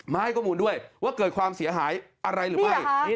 ให้ข้อมูลด้วยว่าเกิดความเสียหายอะไรหรือไม่